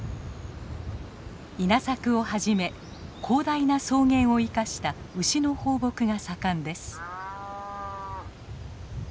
稲作をはじめ広大な草原を生かした牛の放牧が盛んです。